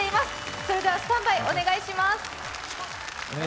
それではスタンバイお願いします。